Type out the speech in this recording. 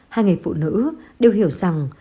hai người phụ nữ đều hiểu rằng